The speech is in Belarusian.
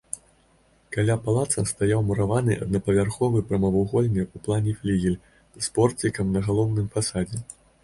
Каля палаца стаяў мураваны аднапавярховы прамавугольны ў плане флігель з порцікам на галоўным фасадзе.